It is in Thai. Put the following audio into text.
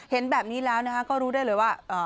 เห็นแบบนี้แล้วก็รู้ได้เลยว่า